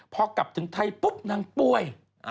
พอกลับถึงไทยปุ๊บนางป่วย